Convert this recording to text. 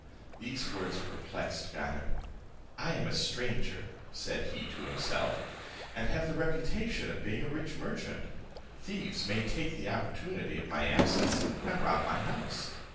These words perplexed Ganem. "I am a stranger," said he to himself, "and have the reputation of being a rich merchant; thieves may take the opportunity of my absence, and rob my house.